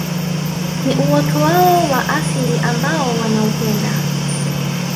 Ni uoto wao wa asili ambao wanaupenda